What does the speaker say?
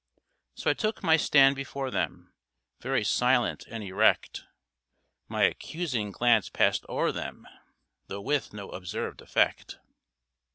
So I took my stand before them, Very silent and erect, My accusing glance passed o'er them, Though with no observed effect.